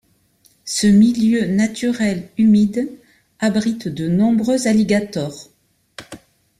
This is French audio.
Ce milieu naturel humide abrite de nombreux alligators.